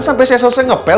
sampai saya selesai ngepel